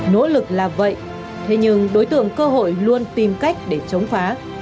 nỗ lực là vậy thế nhưng đối tượng cơ hội luôn tìm cách để chống phá